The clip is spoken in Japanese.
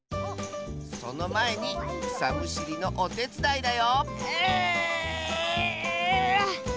そのまえにくさむしりのおてつだいだようあっ！